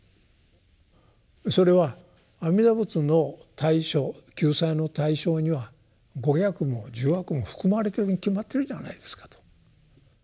それは阿弥陀仏の対象救済の対象には五逆も十悪も含まれてるに決まってるじゃないですかと。